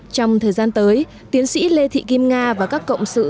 trong thời gian tới tiến sĩ lê thị kim nga và các cộng sự